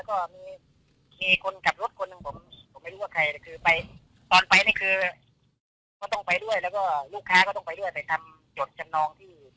ต้องไปด้วยแล้วก็ลูกค้าก็ต้องไปด้วยไปทำจดจำนองที่